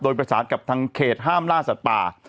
โดยประสานกับทางเขตห้ามล่าสัตว์ป่า